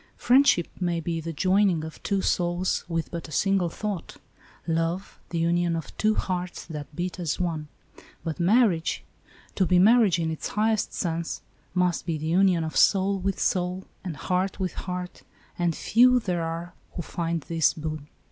Friendship may be the joining of " two souls with but a single thought," love the union of "two hearts that beat as one," but marriage, to be marriage in its highest sense, must be the union of soul with soul, and heart with heart, and few there are who find this boon.